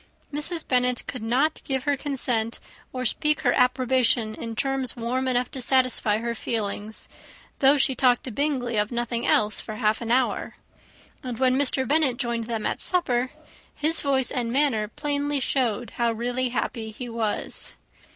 Mrs. Bennet could not give her consent, or speak her approbation in terms warm enough to satisfy her feelings, though she talked to Bingley of nothing else, for half an hour; and when Mr. Bennet joined them at supper, his voice and manner plainly showed how really happy he was.